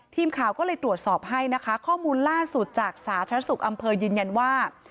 ทีมข่าวก็เลยตรวจสอบให้นะคะข้อมูลล่าสุดจากสาธารณสุขอำเภอยืนยันว่า